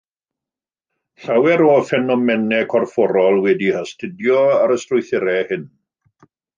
Llawer o ffenomenau corfforol wedi eu hastudio ar y strwythurau hyn.